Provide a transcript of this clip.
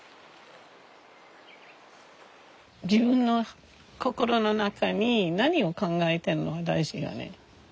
自分の心の中に何を考えてるの大事よね。